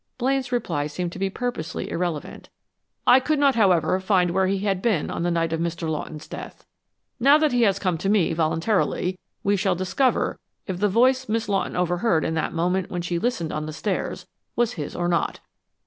Blaine's reply seemed to be purposely irrelevant. "I could not, however, find where he had been on the night of Mr. Lawton's death. Now that he has come to me voluntarily, we shall discover if the voice Miss Lawton overheard in that moment when she listened on the stairs, was his or not....